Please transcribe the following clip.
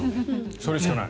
それしかない。